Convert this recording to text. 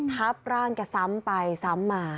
ทับร่างแกซ้ำไปซ้ำมา